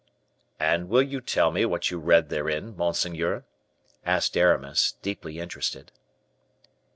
"And will you tell me what you read therein, monseigneur?" asked Aramis, deeply interested.